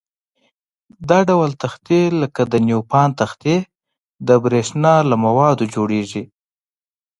دا ډول تختې لکه د نیوپان تختې د برېښنا له موادو جوړيږي.